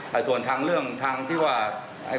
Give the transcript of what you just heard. แต่ส่วนทางเรื่องทางที่ว่า